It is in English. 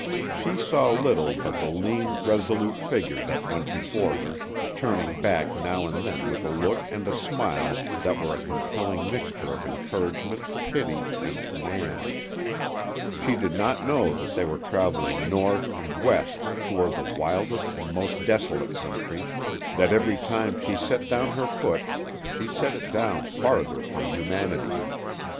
She saw little but the lean, resolute figure that went before her, turning back now and then with a look and a smile that were a compelling mixture of encouragement, pity, and command. She did not know that they were traveling north and west toward the wildest and most desolate country, that every time she set down her foot she set it down farther from humanity.